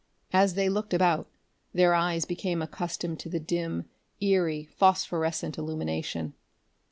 As they looked about, their eyes became accustomed to the dim, eery, phosphorescent illumination.